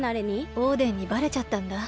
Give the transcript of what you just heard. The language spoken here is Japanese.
オーデンにバレちゃったんだ。